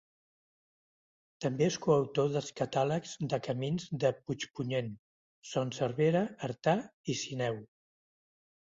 També és coautor dels catàlegs de camins de Puigpunyent, Son Servera, Artà i Sineu.